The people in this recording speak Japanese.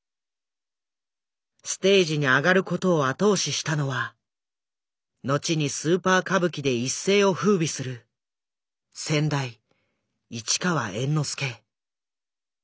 ステージに上がる事を後押ししたのは後にスーパー歌舞伎で一世を風靡する先代市川猿之助。